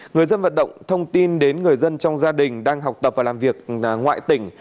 người dân vận động thông tin đến người dân trong gia đình đang học tập và làm việc ngoại tỉnh